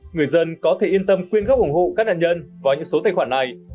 người dân có thể yên tâm quyên góp ủng hộ các nạn nhân vào những số tài khoản này